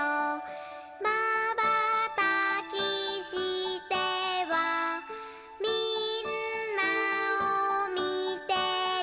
「まばたきしてはみんなをみてる」